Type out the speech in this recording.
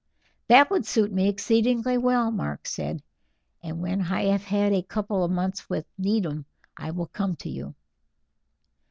"That would suit me exceedingly well," Mark said; "and when I have had a couple of months with Needham I will come to you."